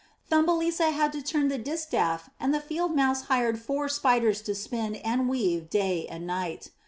Thumbelisa had to turn the distaff and the Field Mouse hired four Spiders to spin and weave day and night.